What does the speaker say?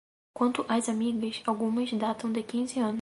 Quanto às amigas, algumas datam de quinze anos